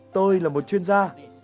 tôi là một chuyên gia